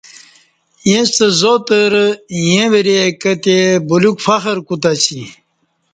ییݩستہ زاتر ایں وریں کہ تئے بلیوک فخر کوتہ اسی